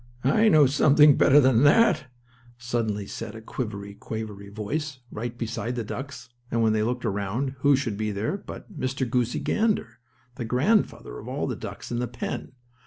"I know something better than that," suddenly said a quivery quavery voice, right beside the ducks, and when they looked around who should be there but Mr. Goosey Gander, the grandfather of all the ducks in the pen.